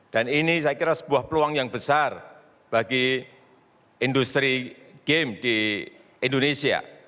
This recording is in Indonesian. dan ini saya kira sebuah peluang yang besar bagi industri game di indonesia